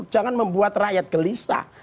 jangan membuat rakyat gelisah